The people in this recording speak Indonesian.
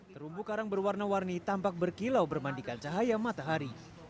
terumbu karang berwarna warni tampak berkilau bermandikan cahaya matahari